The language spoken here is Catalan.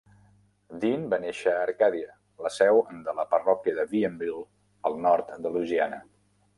Dean va néixer a Arcadia, la seu de la parròquia de Bienville, al nord de Louisiana.